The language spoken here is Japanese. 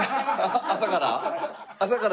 朝から？